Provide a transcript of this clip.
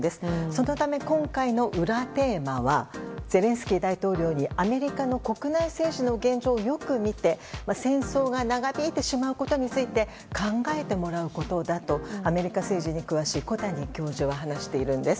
そのため、今回の裏テーマはゼレンスキー大統領にアメリカの国内政治の現状をよく見て、戦争が長引いてしまうことについて考えてもらうことだとアメリカ政治に詳しい小谷教授は話しているんです。